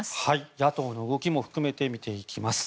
野党の動きも含めて見ていきます。